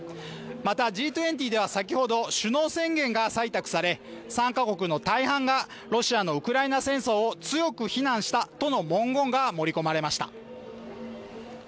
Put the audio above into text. また、Ｇ２０では先ほど首脳宣言が採択され、参加国の大半がロシアのウクライナ戦争を強く非難したとの文言が盛り込まれました。